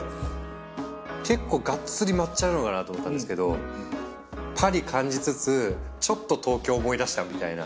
結構がっつり抹茶なのかなと思ったんですけどパリ感じつつちょっと東京思い出したみたいな。